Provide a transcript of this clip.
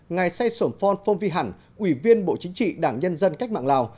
ngài seysom phong phong vy hẳn ủy viên bộ chính trị đảng nhân dân cách mạng lào